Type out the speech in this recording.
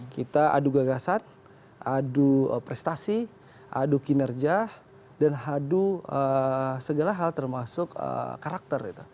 kita adu gagasan adu prestasi adu kinerja dan adu segala hal termasuk karakter